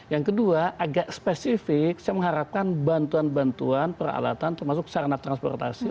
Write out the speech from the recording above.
yang kedua agak spesifik saya mengharapkan bantuan bantuan peralatan termasuk sarana transportasi